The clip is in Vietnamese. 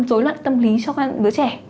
đối loạn tâm lý cho con đứa trẻ